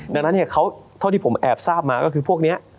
ดังนั้นเนี่ยเขาเท่าที่ผมแอบทราบมาก็คือพวกเนี้ย